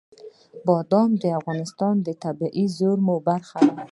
بادام د افغانستان د طبیعي زیرمو برخه ده.